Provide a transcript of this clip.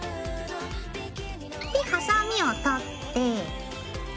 でハサミを取って。